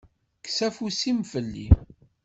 Kkes afus-im fell-i.